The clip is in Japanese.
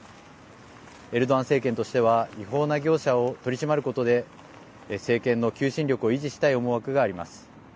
エルドアン政権としては違法な業者を取り締まることで政権の求心力を維持したい思惑があります。